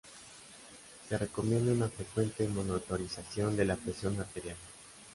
Se recomienda una frecuente monitorización de la presión arterial.